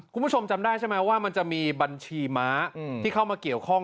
คุณผู้ชมจำได้ใช่ไหมว่ามันจะมีบัญชีม้าที่เข้ามาเกี่ยวข้อง